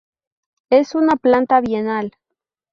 Es una planta bienal.